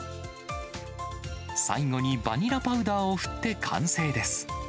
最後にバニラパウダーを振って完成です。